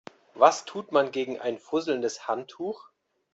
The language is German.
Was tut man gegen ein fusselndes Handtuch?